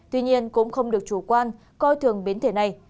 tuy nhiên cũng không được chủ quan coi thường biến thể này